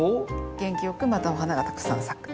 元気よくまたお花がたくさん咲く。